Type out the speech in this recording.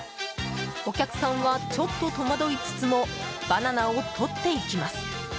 お客さんはちょっと戸惑いつつもバナナを取っていきます。